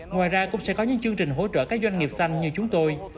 ngoài ra cũng sẽ có những chương trình hỗ trợ các doanh nghiệp xanh như chúng tôi